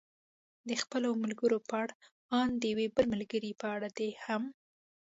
د خپلو ملګرو په اړه، ان د یوې بلې ملګرې په اړه دې هم.